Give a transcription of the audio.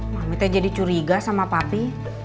mami tuh jadi curiga sama papi